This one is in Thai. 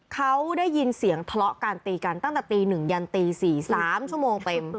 เขาได้ยินเสียงทะเลาะการตีกันตั้งแต่ตี๑ยันตี๔๓ชั่วโมงเต็ม